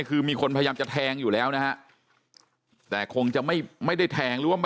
คือมีคนพยายามจะแทงอยู่แล้วนะแต่คงจะไม่ได้แทง